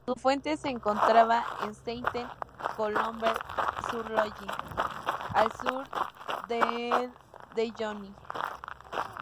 Su fuente se encuentra en Sainte-Colombe-sur-Loing, al sur del de Yonne.